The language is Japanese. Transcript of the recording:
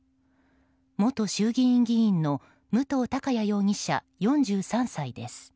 元衆議院議員の武藤貴也容疑者、４３歳です。